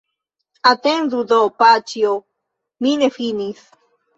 Atendu do, paĉjo, mi ne finis.